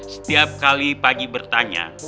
setiap kali pak haji bertanya